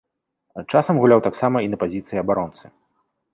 Часам гуляў таксама і на пазіцыі абаронцы.